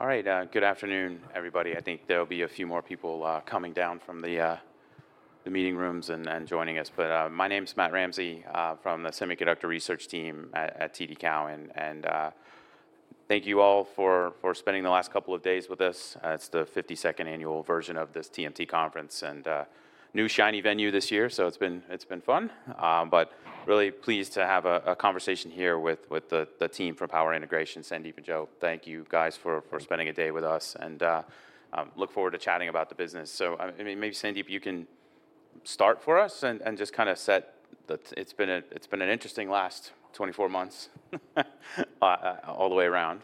All right, good afternoon, everybody. I think there'll be a few more people coming down from the meeting rooms and joining us. But my name's Matt Ramsey from the Semiconductor Research team at TD Cowen, and thank you all for spending the last couple of days with us. It's the 52nd annual version of this TMT conference, and new shiny venue this year, so it's been fun. But really pleased to have a conversation here with the team from Power Integrations. Sandeep and Joe, thank you, guys, for spending a day with us, and I look forward to chatting about the business. So, maybe Sandeep, you can start for us and just kinda set the... It's been an interesting last 24 months, all the way around.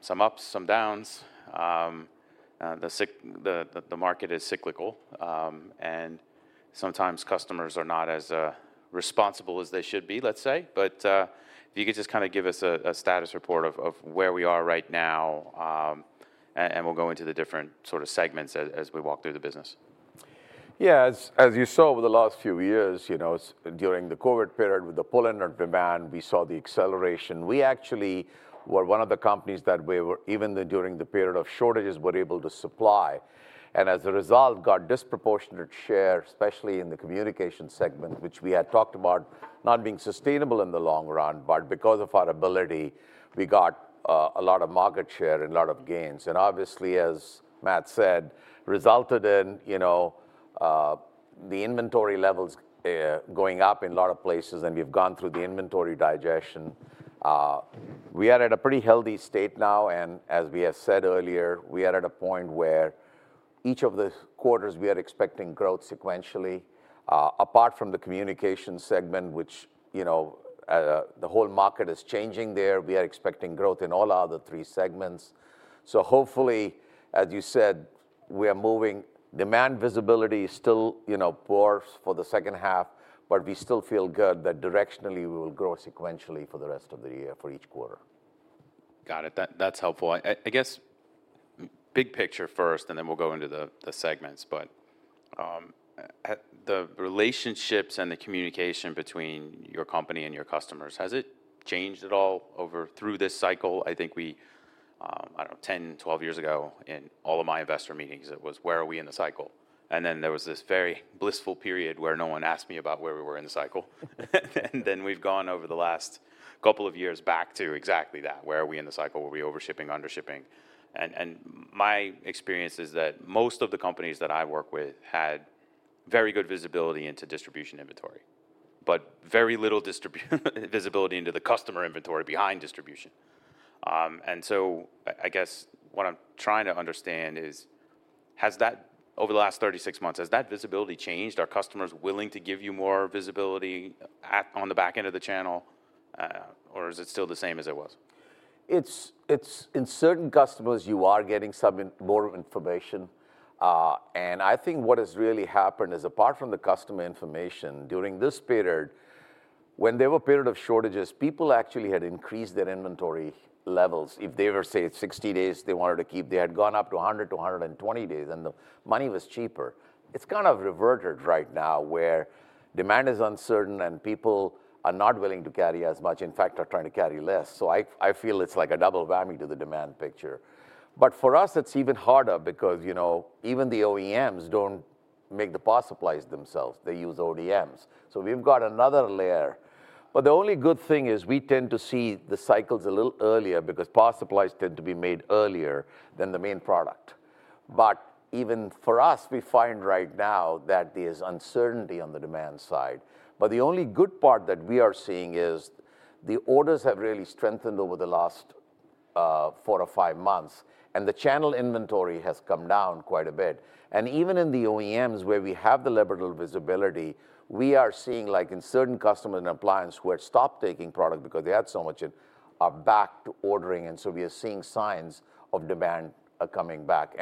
Some ups, some downs. The market is cyclical, and sometimes customers are not as responsible as they should be, let's say. But, if you could just kinda give us a status report of where we are right now, and we'll go into the different sorta segments as we walk through the business. Yeah, as you saw over the last few years, you know, during the COVID period with the pull in demand, we saw the acceleration. We actually were one of the companies that we were, even though during the period of shortages, were able to supply, and as a result, got disproportionate share, especially in the communication segment, which we had talked about not being sustainable in the long run. But because of our ability, we got a lot of market share and a lot of gains, and obviously, as Matt said, resulted in, you know, the inventory levels going up in a lot of places, and we've gone through the inventory digestion. We are at a pretty healthy state now, and as we have said earlier, we are at a point where each of the quarters we are expecting growth sequentially. Apart from the communication segment, which, you know, the whole market is changing there, we are expecting growth in all other three segments. So hopefully, as you said, we are moving. Demand visibility is still, you know, poor for the second half, but we still feel good that directionally, we will grow sequentially for the rest of the year for each quarter. Got it. That, that's helpful. I, I guess, big picture first, and then we'll go into the, the segments, but, the relationships and the communication between your company and your customers, has it changed at all over through this cycle? I think we, I don't know, 10, 12 years ago, in all of my investor meetings, it was: "Where are we in the cycle?" And then there was this very blissful period where no one asked me about where we were in the cycle. And then we've gone over the last couple of years back to exactly that, "Where are we in the cycle? Were we over shipping, under shipping?" And my experience is that most of the companies that I work with had very good visibility into distribution inventory, but very little visibility into the customer inventory behind distribution. and so I, I guess what I'm trying to understand is, has that, over the last 36 months, has that visibility changed? Are customers willing to give you more visibility at- on the back end of the channel, or is it still the same as it was? It's, it's in certain customers, you are getting some more information. And I think what has really happened is, apart from the customer information, during this period, when there were a period of shortages, people actually had increased their inventory levels. If they were, say, 60 days, they wanted to keep... They had gone up to 100 to 120 days, and the money was cheaper. It's kind of reverted right now, where demand is uncertain, and people are not willing to carry as much, in fact, are trying to carry less. So I, I feel it's like a double whammy to the demand picture. But for us, it's even harder because, you know, even the OEMs don't make the power supplies themselves. They use ODMs. So we've got another layer. But the only good thing is we tend to see the cycles a little earlier because power supplies tend to be made earlier than the main product. But even for us, we find right now that there's uncertainty on the demand side. But the only good part that we are seeing is the orders have really strengthened over the last four or five months, and the channel inventory has come down quite a bit. And even in the OEMs, where we have the limited visibility, we are seeing, like in certain customer and appliance, who had stopped taking product because they had so much, are back to ordering, and so we are seeing signs of demand are coming back.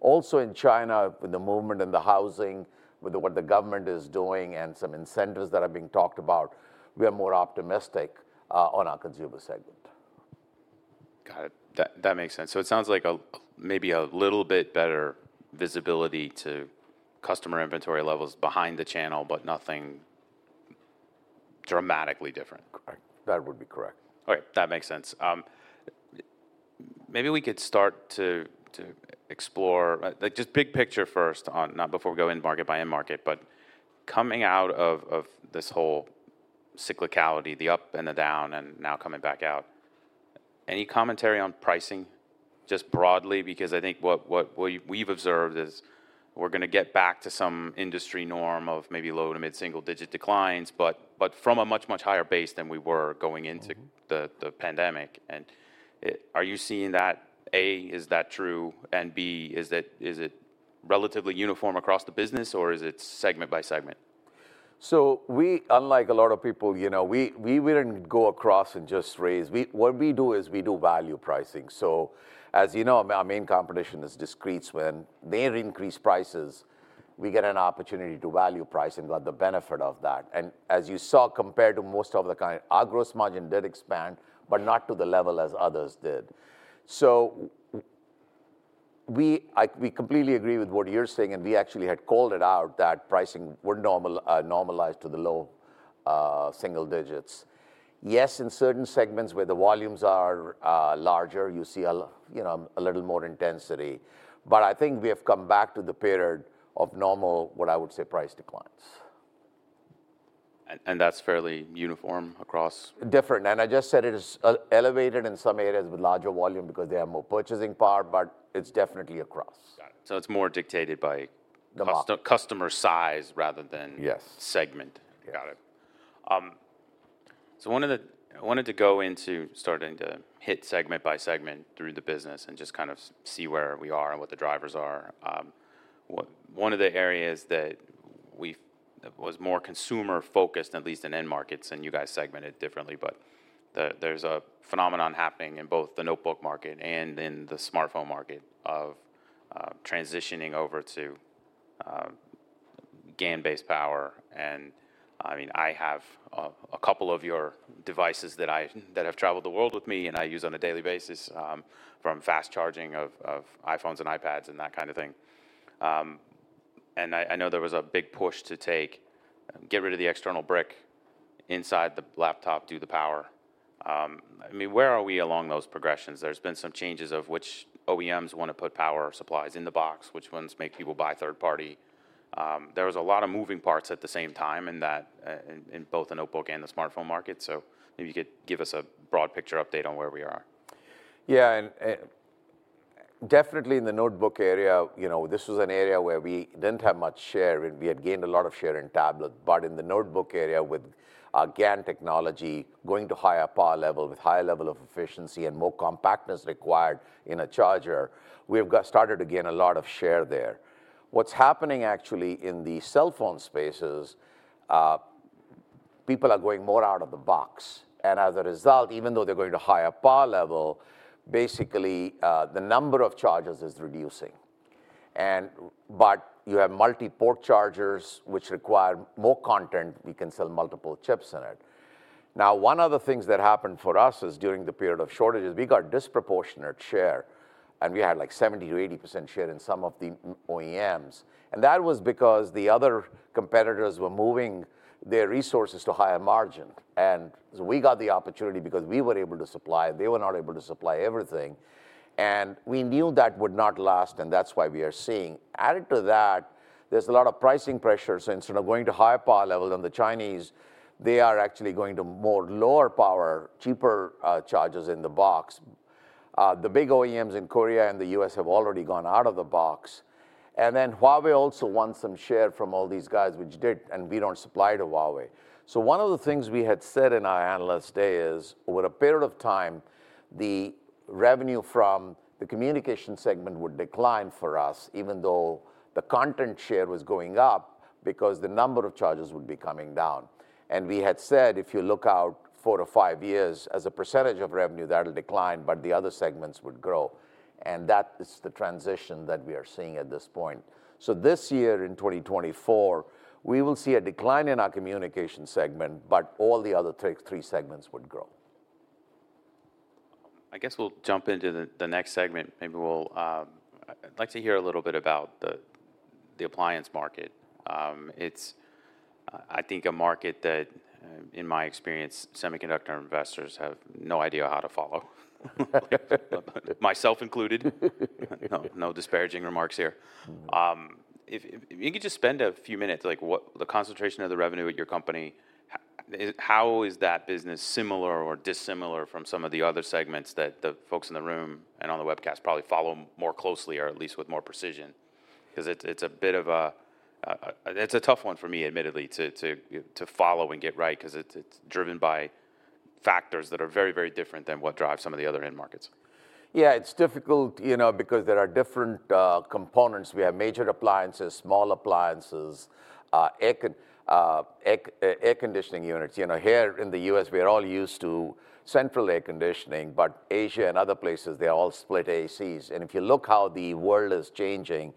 Also in China, with the movement in the housing, with what the government is doing and some incentives that are being talked about, we are more optimistic on our consumer segment. Got it. That makes sense. So it sounds like a maybe a little bit better visibility to customer inventory levels behind the channel, but nothing dramatically different. Correct. That would be correct. All right, that makes sense. Maybe we could start to explore like just big picture first on, not before we go end market by end market, but coming out of this whole cyclicality, the up and the down, and now coming back out, any commentary on pricing, just broadly? Because I think what we've observed is we're gonna get back to some industry norm of maybe low to mid-single digit declines but from a much, much higher base than we were going into- Mm-hmm... the pandemic. And are you seeing that? A, is that true, and B, is it relatively uniform across the business, or is it segment by segment? So we, unlike a lot of people, you know, we wouldn't go across and just raise. What we do is we do value pricing. So as you know, our main competition is discretes. When they increase prices, we get an opportunity to value price and get the benefit of that. And as you saw, compared to most of the kind, our gross margin did expand, but not to the level as others did. So we completely agree with what you're saying, and we actually had called it out that pricing would normalize to the low single digits. Yes, in certain segments where the volumes are larger, you see, you know, a little more intensity. But I think we have come back to the period of normal, what I would say, price declines. That's fairly uniform across? Different. And I just said it is elevated in some areas with larger volume because they have more purchasing power, but it's definitely across. Got it. So it's more dictated by- The market... customer size rather than- Yes... segment. Yes. Got it. So one of the—I wanted to go into starting to hit segment by segment through the business and just kind of see where we are and what the drivers are. One of the areas that we've... that was more consumer-focused, at least in end markets, and you guys segment it differently, but there's a phenomenon happening in both the notebook market and in the smartphone market of transitioning over to GaN-Based Power. And, I mean, I have a couple of your devices that have traveled the world with me, and I use on a daily basis from fast charging of iPhones and iPads and that kind of thing. And I know there was a big push to get rid of the external brick inside the laptop, do the power. I mean, where are we along those progressions? There's been some changes of which OEMs wanna put power supplies in the box, which ones make people buy third party. There was a lot of moving parts at the same time in that, in both the notebook and the smartphone market, so if you could give us a broad picture update on where we are. Yeah, and, and definitely in the notebook area, you know, this was an area where we didn't have much share, and we had gained a lot of share in tablet. But in the notebook area, with our GaN technology going to higher power level, with higher level of efficiency and more compactness required in a charger, we have got started to gain a lot of share there. What's happening actually in the cell phone space is, people are going more out of the box, and as a result, even though they're going to higher power level, basically, the number of chargers is reducing. And but you have multi-port chargers which require more content, we can sell multiple chips in it. Now, one of the things that happened for us is, during the period of shortages, we got disproportionate share, and we had, like, 70%-80% share in some of the OEMs. And that was because the other competitors were moving their resources to higher margin, and so we got the opportunity because we were able to supply, they were not able to supply everything. And we knew that would not last, and that's why we are seeing. Added to that, there's a lot of pricing pressures. Instead of going to higher power level than the Chinese, they are actually going to more lower power, cheaper chargers in the box. The big OEMs in Korea and the US have already gone out of the box. And then Huawei also want some share from all these guys, which did, and we don't supply to Huawei. So one of the things we had said in our Analyst Day is, over a period of time, the revenue from the communication segment would decline for us, even though the content share was going up, because the number of chargers would be coming down. And we had said, "If you look out four to five years, as a percentage of revenue, that'll decline, but the other segments would grow." And that is the transition that we are seeing at this point. So this year, in 2024, we will see a decline in our communication segment, but all the other three segments would grow. I guess we'll jump into the next segment. Maybe we'll... I'd like to hear a little bit about the appliance market. It's, I think a market that, in my experience, semiconductor investors have no idea how to follow. Myself included. No, no disparaging remarks here. If you could just spend a few minutes, like, what the concentration of the revenue at your company, how is that business similar or dissimilar from some of the other segments that the folks in the room and on the webcast probably follow more closely, or at least with more precision? 'Cause it's a bit of a, it's a tough one for me, admittedly, to follow and get right 'cause it's driven by factors that are very, very different than what drives some of the other end markets. Yeah, it's difficult, you know, because there are different components. We have major appliances, small appliances, air conditioning units. You know, here in the U.S., we are all used to central air conditioning, but Asia and other places, they're all split ACs. And if you look how the world is changing,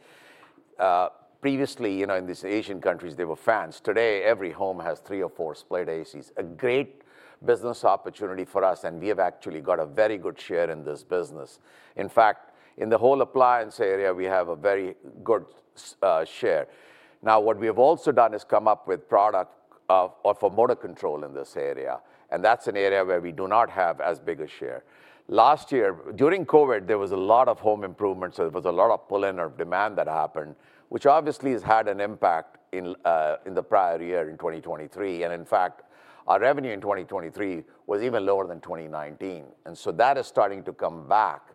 previously, you know, in these Asian countries, there were fans. Today, every home has three or four split ACs. A great business opportunity for us, and we have actually got a very good share in this business. In fact, in the whole appliance area, we have a very good share. Now, what we have also done is come up with product for motor control in this area, and that's an area where we do not have as big a share. Last year, during COVID, there was a lot of home improvements, so there was a lot of pull-in or demand that happened, which obviously has had an impact in the prior year, in 2023. In fact, our revenue in 2023 was even lower than 2019, and so that is starting to come back.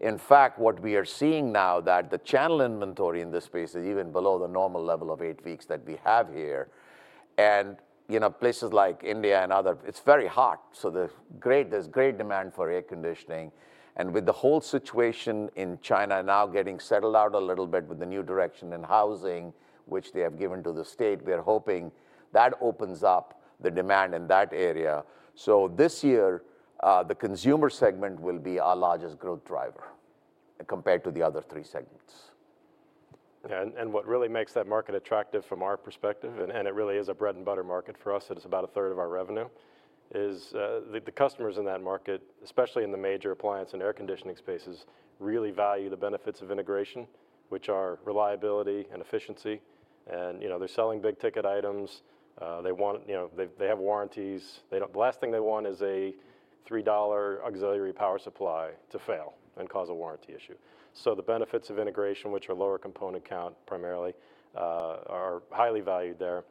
In fact, what we are seeing now that the channel inventory in this space is even below the normal level of eight weeks that we have here. You know, places like India and other, it's very hot, so there's great demand for air conditioning. And with the whole situation in China now getting settled out a little bit with the new direction in housing, which they have given to the state, we are hoping that opens up the demand in that area. This year, the consumer segment will be our largest growth driver compared to the other three segments. ... And what really makes that market attractive from our perspective, and it really is a bread-and-butter market for us, it is about a third of our revenue, is the customers in that market, especially in the major appliance and air conditioning spaces, really value the benefits of integration, which are reliability and efficiency. And, you know, they're selling big-ticket items. They want, you know, they have warranties. They don't. The last thing they want is a $3 auxiliary power supply to fail and cause a warranty issue. So the benefits of integration, which are lower component count, primarily, are highly valued there.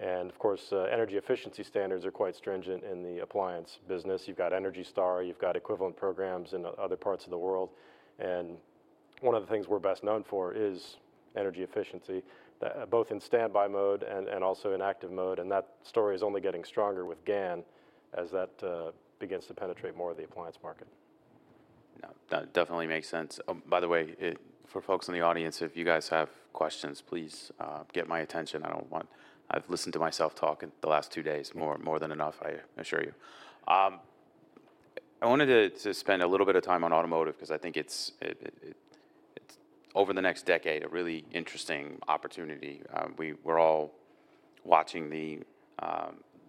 And of course, energy efficiency standards are quite stringent in the appliance business. You've got Energy Star, you've got equivalent programs in other parts of the world, and one of the things we're best known for is energy efficiency, both in standby mode and also in active mode, and that story is only getting stronger with GaN as that begins to penetrate more of the appliance market. Yeah, that definitely makes sense. By the way, for folks in the audience, if you guys have questions, please get my attention. I don't want—I've listened to myself talk in the last two days, more than enough, I assure you. I wanted to spend a little bit of time on automotive, 'cause I think it's over the next decade, a really interesting opportunity. We're all watching the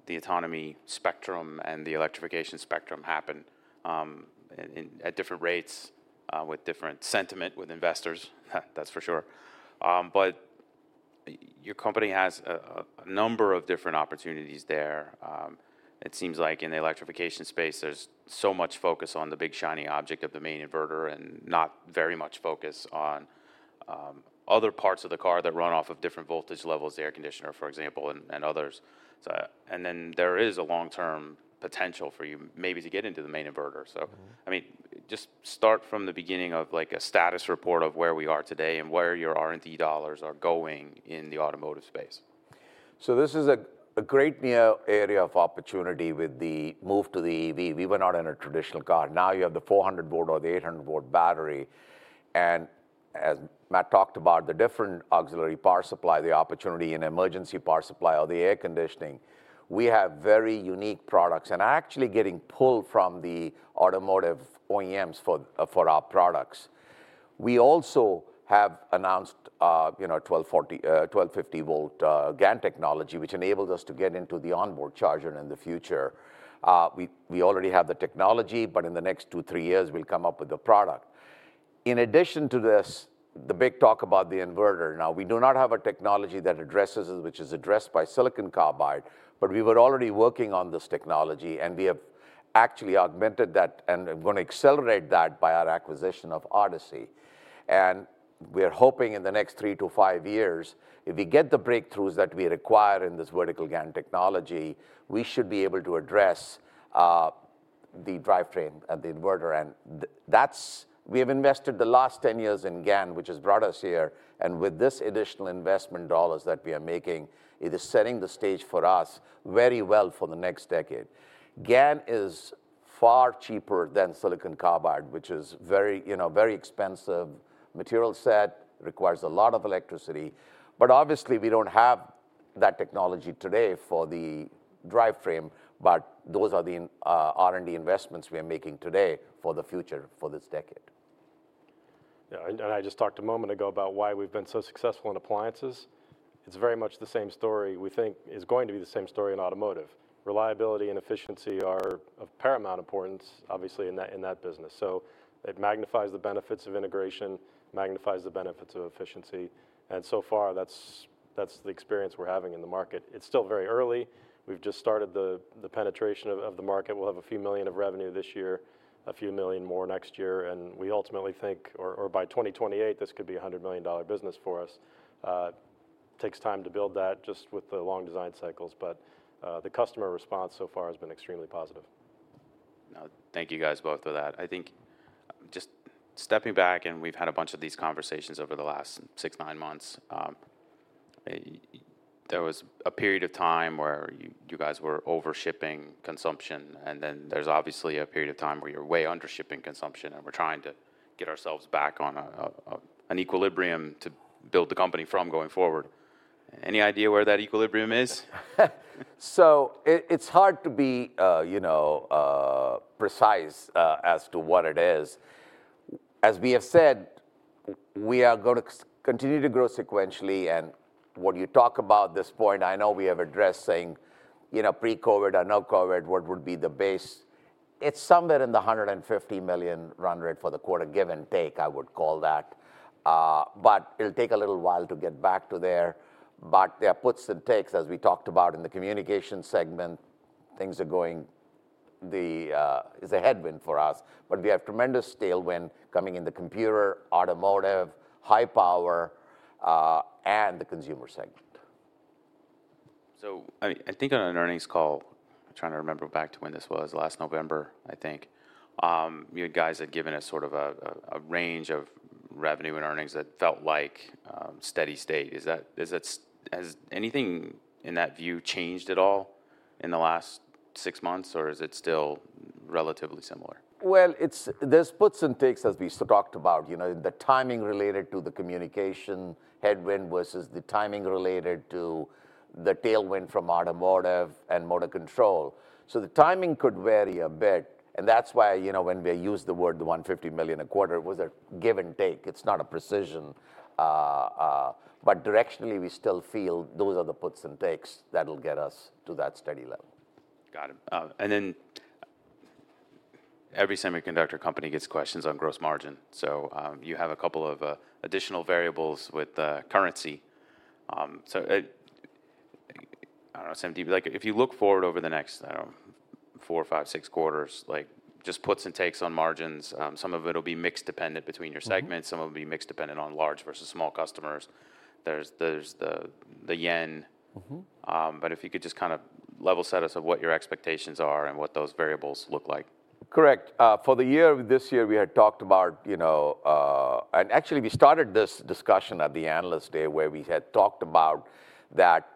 autonomy spectrum and the electrification spectrum happen, and at different rates with different sentiment with investors, that's for sure. But your company has a number of different opportunities there. It seems like in the electrification space, there's so much focus on the big, shiny object of the main inverter and not very much focus on other parts of the car that run off of different voltage levels, the air conditioner, for example, and, and others. So and then there is a long-term potential for you maybe to get into the main inverter, so- Mm-hmm... I mean, just start from the beginning of, like, a status report of where we are today and where your R&D dollars are going in the automotive space. So this is a great area of opportunity with the move to the EV. We were not in a traditional car. Now, you have the 400-volt or the 800-volt battery, and as Matt talked about, the different auxiliary power supply, the opportunity in emergency power supply or the air conditioning. We have very unique products, and are actually getting pulled from the automotive OEMs for our products. We also have announced twelve forty, twelve fifty volt GaN technology, which enables us to get into the onboard charger in the future. We already have the technology, but in the next two, three years, we'll come up with the product. In addition to this, the big talk about the inverter, now, we do not have a technology that addresses it, which is addressed by silicon carbide, but we were already working on this technology, and we have actually augmented that, and we're gonna accelerate that by our acquisition of Odyssey. And we're hoping in the next three to five years, if we get the breakthroughs that we require in this vertical GaN technology, we should be able to address the drivetrain and the inverter. And that's. We have invested the last 10 years in GaN, which has brought us here, and with this additional investment dollars that we are making, it is setting the stage for us very well for the next decade. GaN is far cheaper than silicon carbide, which is very, you know, very expensive material set, requires a lot of electricity. But obviously we don't have that technology today for the drivetrain, but those are the R&D investments we are making today for the future, for this decade. Yeah, and I just talked a moment ago about why we've been so successful in appliances. It's very much the same story we think is going to be the same story in automotive. Reliability and efficiency are of paramount importance, obviously, in that business. So it magnifies the benefits of integration, magnifies the benefits of efficiency, and so far, that's the experience we're having in the market. It's still very early. We've just started the penetration of the market. We'll have a few million dollars of revenue this year, a few million more next year, and we ultimately think, or by 2028, this could be a $100 million business for us. Takes time to build that, just with the long design cycles, but the customer response so far has been extremely positive. Now, thank you guys both for that. I think just stepping back, and we've had a bunch of these conversations over the last six, nine months, there was a period of time where you guys were overshipping consumption, and then there's obviously a period of time where you're way undershipping consumption, and we're trying to get ourselves back on an equilibrium to build the company from going forward. Any idea where that equilibrium is? So, it's hard to be, you know, precise, as to what it is. As we have said, we are gonna continue to grow sequentially. And when you talk about this point, I know we have addressed saying, you know, pre-COVID or no COVID, what would be the base? It's somewhere in the $150 million run rate for the quarter, give and take, I would call that. But it'll take a little while to get back to there. But there are puts and takes, as we talked about in the communication segment, things are going... The is a headwind for us, but we have tremendous tailwind coming in the computer, automotive, high power, and the consumer segment. So, I think on an earnings call, I'm trying to remember back to when this was, last November, I think, you guys had given a sort of a range of revenue and earnings that felt like steady state. Is that—has anything in that view changed at all in the last six months, or is it still relatively similar? Well, it's, there's puts and takes, as we talked about. You know, the timing related to the communication headwind versus the timing related to the tailwind from automotive and motor control. So the timing could vary a bit, and that's why, you know, when we use the word $150 million a quarter, it was a give and take. It's not a precision, but directionally, we still feel those are the puts and takes that'll get us to that steady level. Got it. And then every semiconductor company gets questions on gross margin, so you have a couple of additional variables with currency. So, I don't know, Sandeep, like, if you look forward over the next, I don't know, four, five, six quarters, like just puts and takes on margins, some of it'll be mix dependent between your segments- Mm-hmm. Some of it'll be mix dependent on large versus small customers. There's the yen. Mm-hmm. If you could just kind of level set us of what your expectations are and what those variables look like. Correct. For the year, this year we had talked about, you know... And actually, we started this discussion at the analyst day, where we had talked about that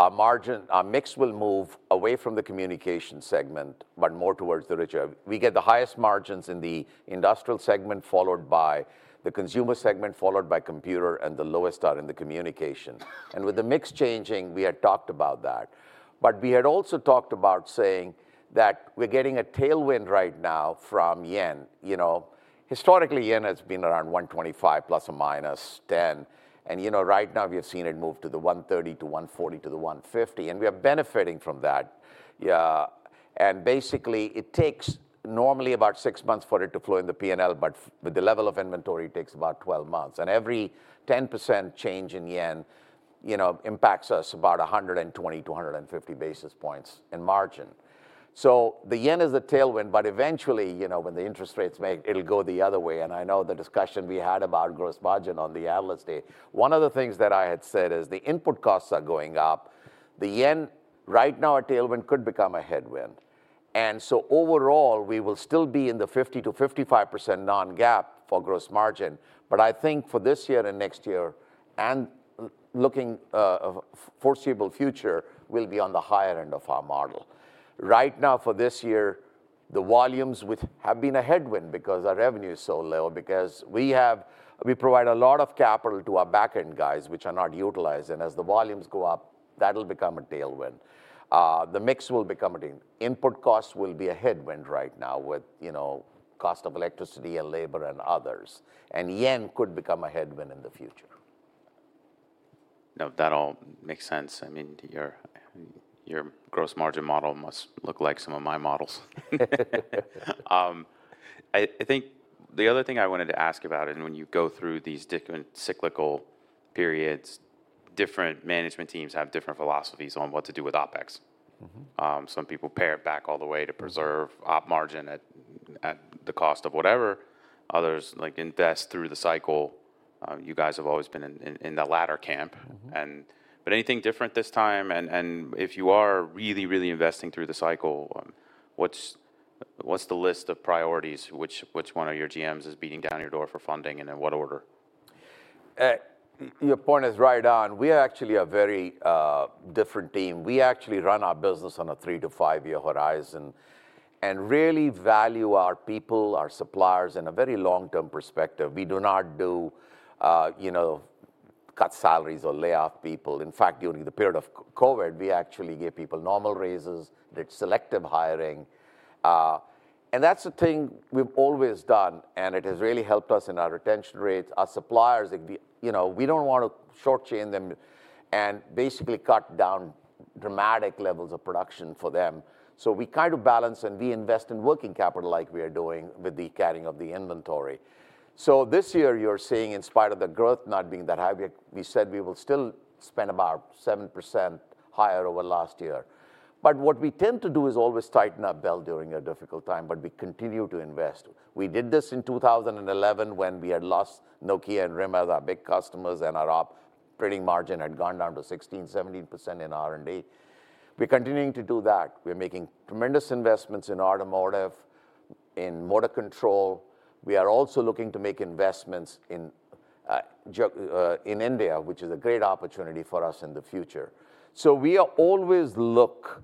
our margin, our mix will move away from the communication segment, but more towards the richer. We get the highest margins in the industrial segment, followed by the consumer segment, followed by computer, and the lowest are in the communication. And with the mix changing, we had talked about that. But we had also talked about saying that we're getting a tailwind right now from yen, you know. Historically, yen has been around 125, ±10, and, you know, right now we have seen it move to the 130-40 to the 150, and we are benefiting from that. Yeah, and basically, it takes normally about 6 months for it to flow in the P&L, but with the level of inventory, it takes about 12 months. And every 10% change in yen, you know, impacts us about 120-150 basis points in margin. So the yen is a tailwind, but eventually, you know, when the interest rates make, it'll go the other way, and I know the discussion we had about gross margin on the analyst day. One of the things that I had said is the input costs are going up. The yen, right now a tailwind, could become a headwind. And so overall, we will still be in the 50%-55% non-GAAP for gross margin. But I think for this year and next year, and looking, foreseeable future, we'll be on the higher end of our model. Right now for this year, the volumes have been a headwind because our revenue is so low, because we provide a lot of capital to our back-end guys, which are not utilized, and as the volumes go up, that'll become a tailwind. The mix will become a tail... Input costs will be a headwind right now with, you know, cost of electricity and labor and others, and yen could become a headwind in the future. No, that all makes sense. I mean, your gross margin model must look like some of my models. I think the other thing I wanted to ask about, and when you go through these different cyclical periods, different management teams have different philosophies on what to do with OpEx. Mm-hmm. Some people pare it back all the way to preserve- Mm... op margin at the cost of whatever. Others, like, invest through the cycle. You guys have always been in the latter camp. Mm-hmm. But anything different this time? And if you are really, really investing through the cycle, what's the list of priorities? Which one of your GMs is beating down your door for funding, and in what order? Your point is right on. We are actually a very different team. We actually run our business on a three to five-year horizon and really value our people, our suppliers, in a very long-term perspective. We do not do, you know, cut salaries or lay off people. In fact, during the period of COVID, we actually gave people normal raises, did selective hiring, and that's the thing we've always done, and it has really helped us in our retention rates. Our suppliers, like, we, you know, we don't want to short-change them and basically cut down dramatic levels of production for them. So we kind of balance, and we invest in working capital like we are doing with the carrying of the inventory. So this year you're seeing, in spite of the growth not being that high, we, we said we will still spend about 7% higher over last year. But what we tend to do is always tighten our belt during a difficult time, but we continue to invest. We did this in 2011 when we had lost Nokia and RIM as our big customers, and our operating margin had gone down to 16%-17% in R&D. We're continuing to do that. We're making tremendous investments in automotive, in motor control. We are also looking to make investments in India, which is a great opportunity for us in the future. So we are always look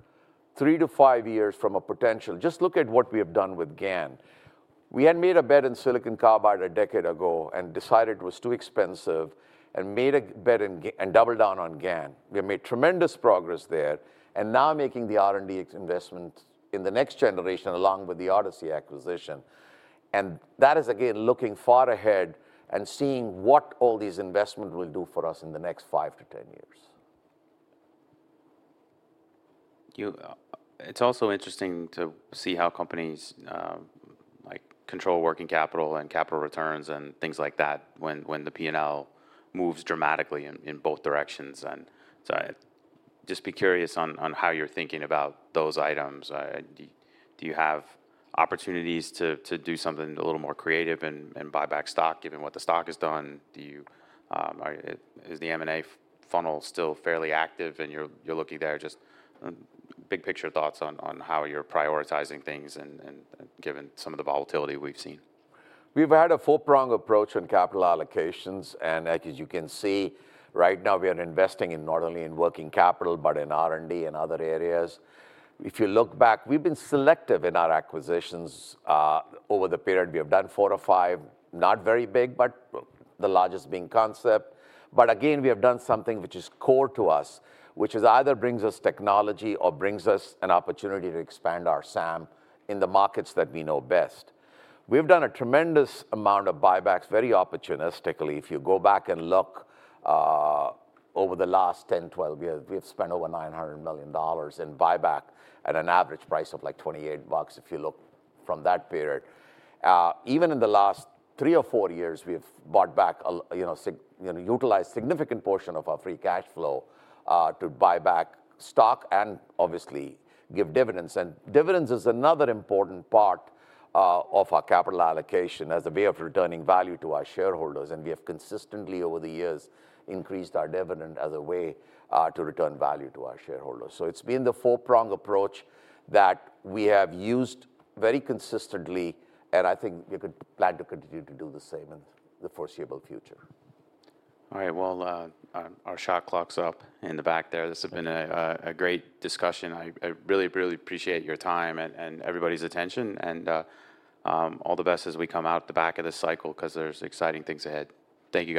three to five years from a potential. Just look at what we have done with GaN. We had made a bet in Silicon Carbide a decade ago and decided it was too expensive and made a bet in GaN and doubled down on GaN. We have made tremendous progress there, and now making the R&D investment in the next generation, along with the Odyssey acquisition. That is, again, looking far ahead and seeing what all these investments will do for us in the next 5-10 years. It's also interesting to see how companies, like, control working capital and capital returns and things like that when the P&L moves dramatically in both directions. And so I'd just be curious on how you're thinking about those items. Do you have opportunities to do something a little more creative and buy back stock, given what the stock has done? Do you... Is the M&A funnel still fairly active, and you're looking there? Just big picture thoughts on how you're prioritizing things and given some of the volatility we've seen. We've had a 4-prong approach on capital allocations, and as you can see, right now we are investing in not only in working capital, but in R&D and other areas. If you look back, we've been selective in our acquisitions over the period. We have done four or five, not very big, but the largest being Concept. But again, we have done something which is core to us, which is either brings us technology or brings us an opportunity to expand our SAM in the markets that we know best. We've done a tremendous amount of buybacks, very opportunistically. If you go back and look over the last 10, 12 years, we've spent over $900 million in buyback at an average price of, like, $28 bucks, if you look from that period. Even in the last three or four years, we have bought back, you know, utilized significant portion of our free cash flow to buy back stock and obviously give dividends. Dividends is another important part of our capital allocation as a way of returning value to our shareholders, and we have consistently, over the years, increased our dividend as a way to return value to our shareholders. It's been the four-prong approach that we have used very consistently, and I think we could plan to continue to do the same in the foreseeable future. All right. Well, our shot clock's up in the back there. This has been a great discussion. I really really appreciate your time and everybody's attention, and all the best as we come out the back of this cycle, 'cause there's exciting things ahead. Thank you.